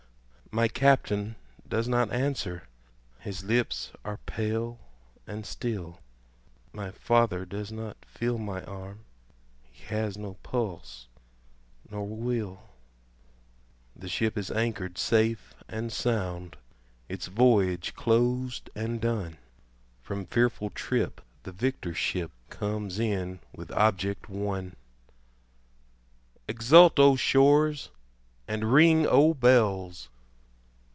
My Captain does not answer, his lips are pale and still, My father does not feel my arm, he has no pulse nor will, The ship is anchor'd safe and sound, its voyage closed and done, From fearful trip the victor ship comes in with object won; Exult O shores and ring O bells!